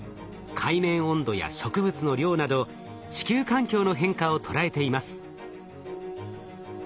海面温度や植物の量など地球環境の変化を捉えています。